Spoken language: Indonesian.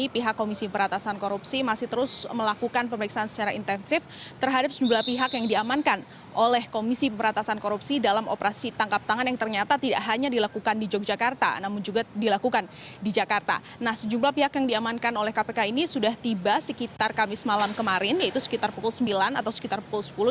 pihak yang diamankan oleh kpk ini sudah tiba sekitar kamis malam kemarin yaitu sekitar pukul sembilan atau sekitar pukul sepuluh